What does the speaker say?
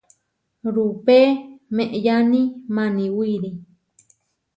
Rupe meʼyáni Maniwíri.